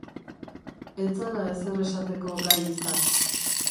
Ez zara ezer esateko gai izan.